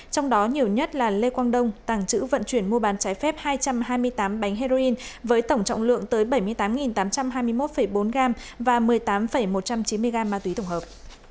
trong đó nhiều nhất là lê quang đông tàng trữ vận chuyển mua bán trái phép hai trăm hai mươi tám bánh heroin với tổng trọng lượng tới bảy mươi tám tám trăm hai mươi một bốn gram và một mươi tám một trăm chín mươi g ma túy tổng hợp